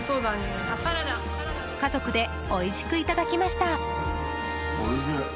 家族でおいしくいただきました。